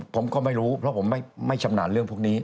ผมก็ไม่รู้เพราะผมไม่ชำนาญเรื่องพวกนี้